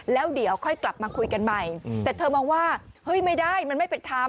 แล้วเดี๋ยวค่อยกลับมาคุยกันใหม่แต่เธอมองว่าเฮ้ยไม่ได้มันไม่เป็นธรรม